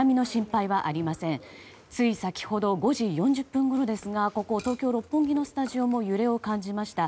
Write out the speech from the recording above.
つい先ほど５時４０分ごろですが東京・六本木のスタジオも揺れを感じました。